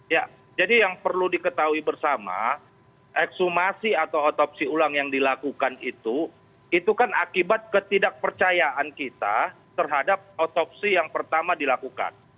ya jadi yang perlu diketahui bersama eksumasi atau otopsi ulang yang dilakukan itu itu kan akibat ketidakpercayaan kita terhadap otopsi yang pertama dilakukan